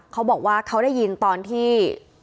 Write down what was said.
เขาบอกว่าเขาได้ยินตอนที่